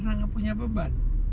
karena tidak punya beban